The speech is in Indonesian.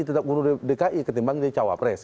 tetap guru dki ketimbang jadi cawapres